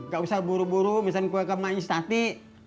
gak usah buru buru mesen kue kemaen si tati